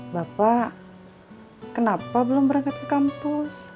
bapak kenapa belum berangkat ke kampus